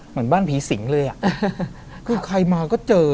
เหมือนบ้านผีสิงเลยอ่ะคือใครมาก็เจอ